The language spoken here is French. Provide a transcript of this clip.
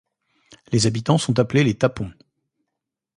Les habitants sont appelés les tapons.